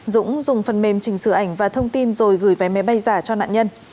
dũng dùng phần mềm chỉnh sửa ảnh và thông tin rồi gửi vé máy bay giả cho nạn nhân